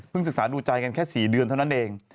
เพิ่งศึกษาดูใจกันแค่สี่เดือนเท่านั้นเอง